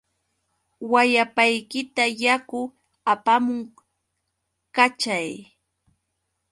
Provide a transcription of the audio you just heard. Wayapaykita yaku apamuq kachay.